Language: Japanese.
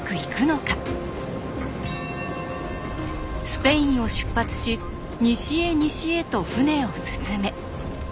スペインを出発し西へ西へと船を進め。